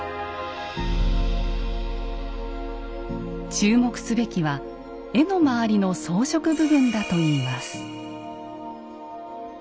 注目すべきは絵の周りの装飾部分だといいます。